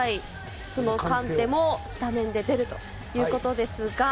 そのカンテもスタメンで出るということです。